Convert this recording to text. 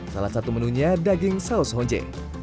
salah satu menunya daging saus honje